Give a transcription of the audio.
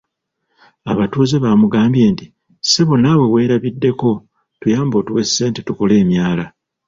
Abatuuze baamugambye nti, "ssebo naawe weerabiddeko tuyambe otuwe ssente tukole emyala".